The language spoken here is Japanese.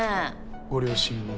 ご両親も。